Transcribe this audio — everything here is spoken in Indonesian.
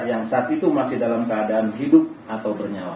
yang saat itu masih dalam keadaan hidup atau bernyawa